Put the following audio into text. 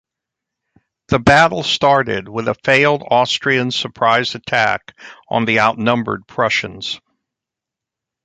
The battle started with a failed Austrian surprise attack on the outnumbered Prussians.